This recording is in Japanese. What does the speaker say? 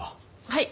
はい。